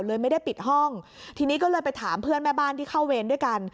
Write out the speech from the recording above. ไม่ได้ปิดห้องทีนี้ก็เลยไปถามเพื่อนแม่บ้านที่เข้าเวรด้วยกัน